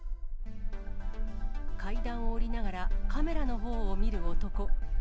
階段を下りながら、カメラのほうを見る男。